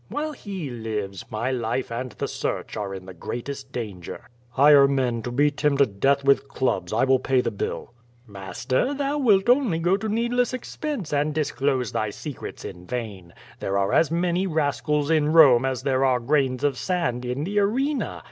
While he lives, my life and the search are in the greatest danger/' "Hire men to beat him to death with clubs, I will pay the bill." "Master, thou wilt only go to needless expense and dis close thy secrets in vain. There are as many rascals in Bome as there are grains of sand in the Arena.